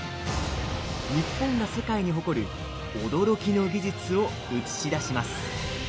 日本が世界に誇る驚きの技術を映し出します。